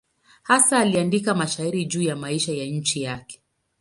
Hasa aliandika mashairi juu ya maisha ya nchi yake.